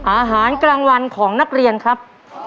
อาหารกลางวันของนักเรียนครับ